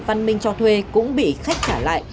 văn minh cho thuê cũng bị khách trả lại